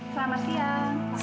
selamat siang pak haris